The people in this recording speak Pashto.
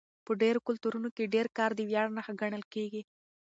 په ډېرو کلتورونو کې ډېر کار د ویاړ نښه ګڼل کېږي.